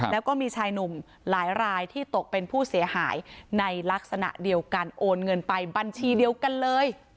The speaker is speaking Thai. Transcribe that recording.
แล้วก็มีชายหนุ่มหลายรายที่ตกเป็นผู้เสียหายในลักษณะเดียวกันโอนเงินไปบัญชีเดียวกันเลย